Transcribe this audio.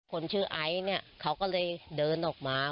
คนชื่อไอซ์เนี่ยเขาก็เลยเดินออกมา